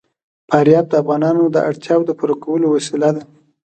فاریاب د افغانانو د اړتیاوو د پوره کولو وسیله ده.